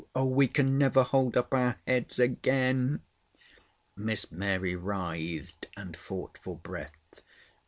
Oh, we can never hold up our heads again!" Miss Mary writhed and fought for breath.